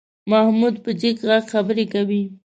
محمود په جګ غږ خبرې کوي.